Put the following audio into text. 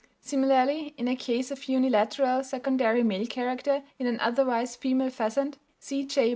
Similarly in a case of unilateral secondary male character in an otherwise female pheasant, C.J.